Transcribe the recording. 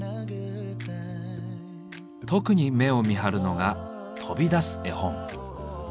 特に目を見張るのが「飛び出す絵本」。